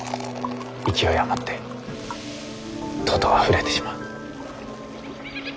勢い余ってとうとうあふれてしまう。